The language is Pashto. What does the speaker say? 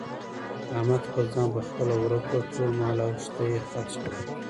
احمد خپل ځان په خپله ورک کړ. ټول مال او شته یې خرڅ کړل.